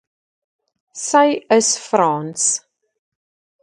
Sy is Frans